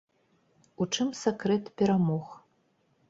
У чым сакрэт перамог?